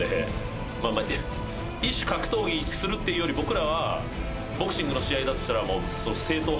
異種格闘技するっていうより僕らはボクシングの試合だとしたら。